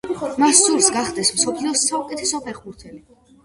მას სურს გახდეს მსოფლიოს საუკეთესო ფეხბურთელი.